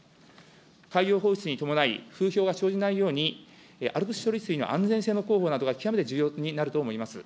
海洋放出に伴い、風評が生じないようにＡＬＰＳ処理水の安全性の広報などが極めて重要になると思います。